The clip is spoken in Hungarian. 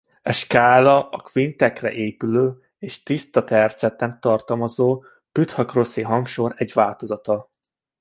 E skála a kvintekre épülő és tiszta tercet nem tartalmazó püthagoraszi hangsor egy változata.